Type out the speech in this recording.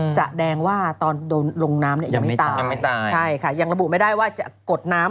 แสดงว่าตอนโดนลงน้ำยังไม่ตายยังระบุไม่ได้ว่าจะกดน้ำ